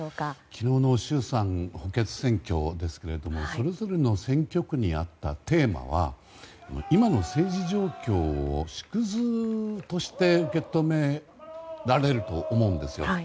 昨日の衆参補欠選挙ですけれどもそれぞれの選挙区にあったテーマは今の政治状況の縮図として受け止められると思うんですよ。